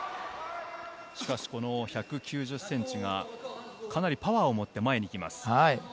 しかし１９０ｃｍが、かなりパワーを持って前にきます。